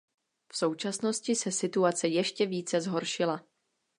V současnosti se situace ještě více zhoršila.